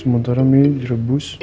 sementara mie direbus